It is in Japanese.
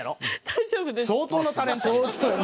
大丈夫です。